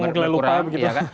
atau orang mulai lupa